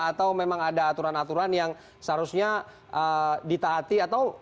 atau memang ada aturan aturan yang seharusnya ditaati atau